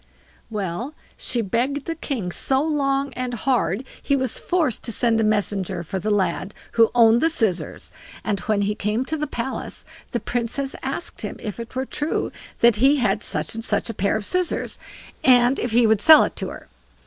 Well, she begged the king so long and hard, he was forced to send a messenger for the lad who owned the scissors; and when he came to the palace, the Princess asked him if it were true that he had such and such a pair of scissors, and if he would sell it to her.